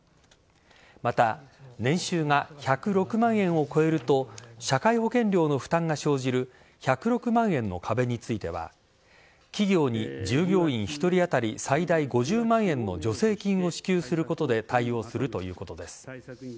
また、年収が１０６万円を超えると社会保険料の負担が生じる１０６万円の壁については企業に、従業員１人当たり最大５０万円の助成金を支給することで対応するということです。